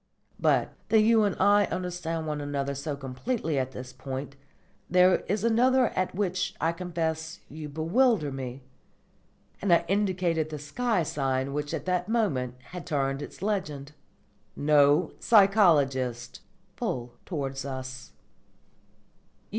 But, though you and I understand one another so completely at this point, there is another at which I confess you bewilder me." And I indicated the sky sign, which at that moment had turned its legend "No Psychologists" full towards us.